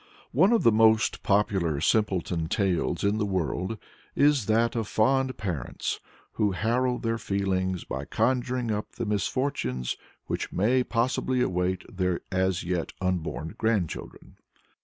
One of the most popular simpleton tales in the world is that of the fond parents who harrow their feelings by conjuring up the misfortunes which may possibly await their as yet unborn grandchildren.